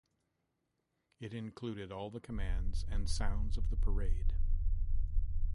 It included all the commands and sounds of the parade.